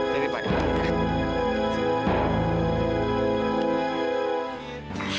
jadi baiklah ya